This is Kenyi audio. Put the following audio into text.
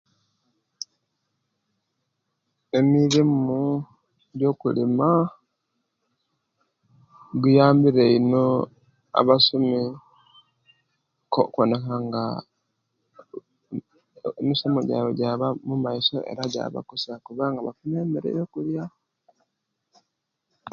Emirimo gyo'kuloma jiyambire ino abasomi okuboneka nga emisomo gyaibwe gyaba omumaiso era gyaba kusa kubanga bafuna emere yokulya